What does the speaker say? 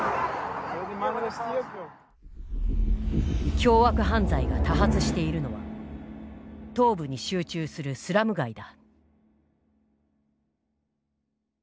凶悪犯罪が多発しているのは東部に集中するスラム街だ。